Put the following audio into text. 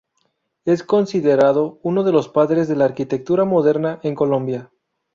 Es considerado uno de los padres de la arquitectura moderna en Colombia.